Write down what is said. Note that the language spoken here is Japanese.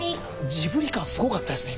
ジブリ感すごかったですね